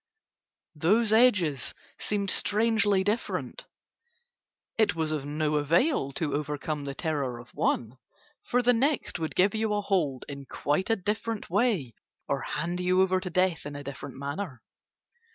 Those edges seemed strangely different. It was of no avail to overcome the terror of one, for the next would give you a hold in quite a different way or hand you over to death in a different manner.